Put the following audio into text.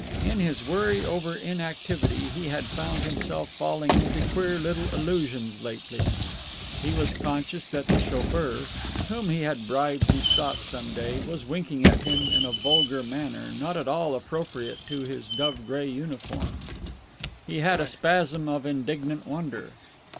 In his worry over inactivity he had found himself falling into queer little illusions lately. He was conscious that the chauffeur, whom he had bribed to stop some day, was winking at him in a vulgar manner not at all appropriate to his dove gray uniform. He had a spasm of indignant wonder.